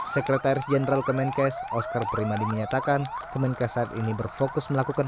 sekretaris jenderal kemenkes oskar primadi menyatakan kemenkes saat ini berfokus melakukan